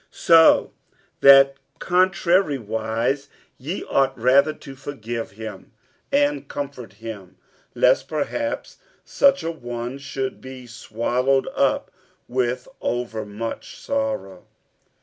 47:002:007 So that contrariwise ye ought rather to forgive him, and comfort him, lest perhaps such a one should be swallowed up with overmuch sorrow.